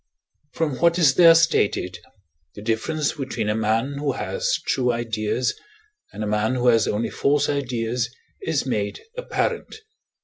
From what is there stated, the difference between a man who has true ideas, and a man who has only false ideas, is made apparent.